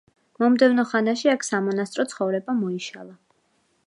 მომდევნო ხანაში აქ სამონასტრო ცხოვრება მოიშალა.